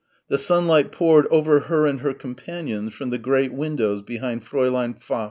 The sunlight poured over her and her companions from the great windows behind Fräulein Pfaff....